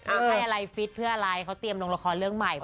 ให้อะไรฟิตเพื่ออะไรเขาเตรียมลงละครเรื่องใหม่